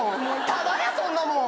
タダやそんなもん。